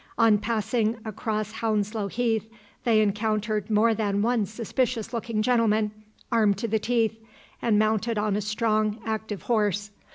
On passing across Hounslow Heath they encountered more than one suspicious looking gentleman, armed to the teeth, and mounted on a strong active horse.